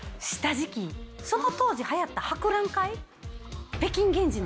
その当時流行った博覧会。